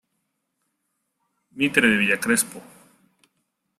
Mitre de Villa Crespo.